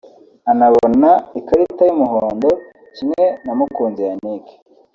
anabona ikarita y’umuhondo kimwe na Mukunzi Yannick